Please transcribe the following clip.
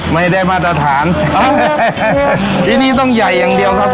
ไม่ได้มาตรฐานที่นี่ต้องใหญ่อย่างเดียวครับ